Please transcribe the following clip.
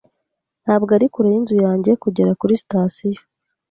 Ntabwo ari kure yinzu yanjye kugera kuri sitasiyo.